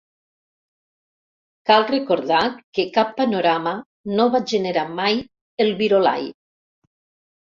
Cal recordar que cap panorama no va generar mai el "Virolai".